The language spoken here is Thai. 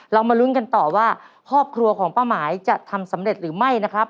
มาลุ้นกันต่อว่าครอบครัวของป้าหมายจะทำสำเร็จหรือไม่นะครับ